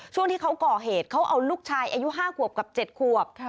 ช่วงที่เขาก่อเหตุเขาเอาลูกชายอายุ๕ขวบกับ๗ขวบ